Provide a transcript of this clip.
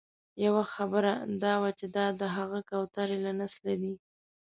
یوه خبره دا وه چې دا د هغه کوترې له نسله دي.